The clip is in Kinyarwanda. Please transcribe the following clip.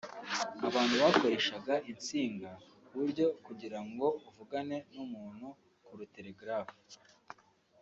abantu bakoreshaga insinga ku buryo kugira ngo uvugane n’umuntu kuru telegraph